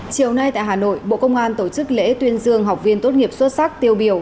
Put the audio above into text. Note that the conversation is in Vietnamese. chiều nay tại hà nội bộ công an tổ chức lễ tuyên dương học viên tốt nghiệp xuất sắc tiêu biểu